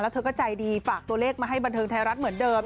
เธอก็ใจดีฝากตัวเลขมาให้บันเทิงไทยรัฐเหมือนเดิม